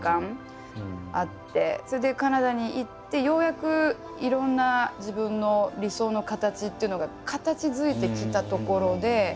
それでカナダに行ってようやくいろんな自分の理想の形っていうのが形づいてきたところで。